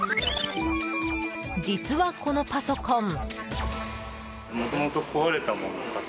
実は、このパソコン。